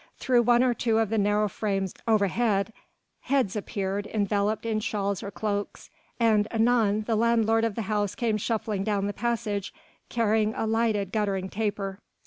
Through one or two of the narrow frames overhead heads appeared enveloped in shawls or cloaks, and anon the landlord of the house came shuffling down the passage, carrying a lighted, guttering taper.